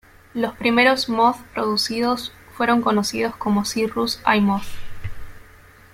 Los primeros Moth producidos fueron conocidos como Cirrus I Moth.